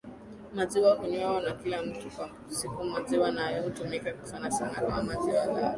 maziwa hunywewa na kila mtu kwa sikuMaziwa hayo hutumika sanasana kama maziwa lala